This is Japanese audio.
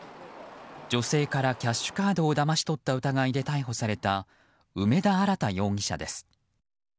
女性からキャッシュカードをだまし取った疑いで逮捕された梅田新大容疑者です。